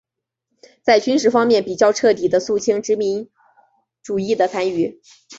在军事方面比较彻底地肃清殖民主义的残余。